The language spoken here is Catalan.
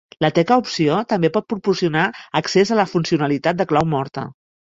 La tecla Opció també pot proporcionar accés a la funcionalitat de clau morta.